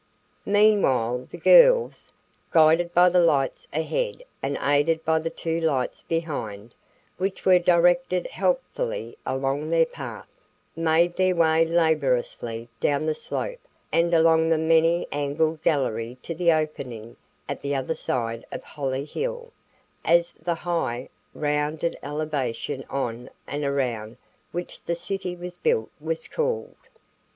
Meanwhile the girls, guided by the lights ahead and aided by the two lights behind, which were directed helpfully along their path, made their way laboriously down the slope and along the many angled gallery to the opening at the other side of Holly Hill, as the high, rounded elevation on and around which the city was built was called.